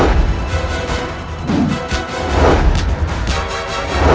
aku akan menunggu selama lebih lama